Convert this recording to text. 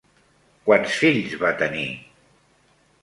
Quants fills va tenir?